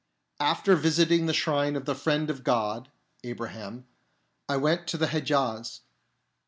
After visiting the shrine of the Friend of God (Abraham), I went to the Hedjaz.